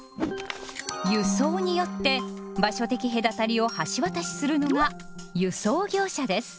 「輸送」によって場所的隔たりを橋渡しするのが輸送業者です。